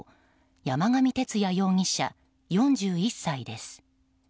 山上徹也容疑者、４１歳です。